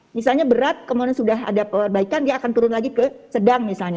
misalnya berat kemudian sudah ada perbaikan dia akan turun lagi ke sedang misalnya